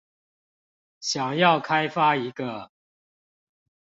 想要開發一個